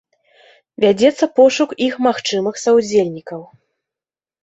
Вядзецца пошук іх магчымых саўдзельнікаў.